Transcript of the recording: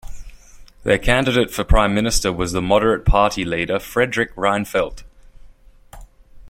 Their candidate for Prime Minister was the Moderate Party leader, Fredrik Reinfeldt.